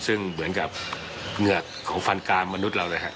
ซึ่งเหมือนกับเหงือกของฟันกามมนุษย์เราเลยครับ